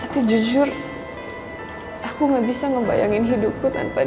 tapi jujur aku gak bisa ngebayangin hidupku dengan andi